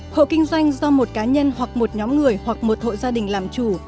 hộ kinh doanh do một cá nhân hoặc một nhóm người hoặc một hộ gia đình làm chủ